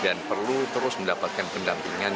dan perlu terus mendapatkan pendampingan